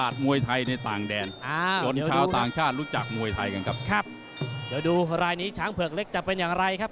เดี๋ยวดูรายนี้ช้างเผือกเล็กจะเป็นอย่างไรครับ